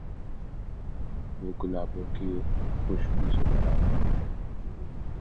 وہ گلابوں کی خوشبو سے بھرا ہوا ہے۔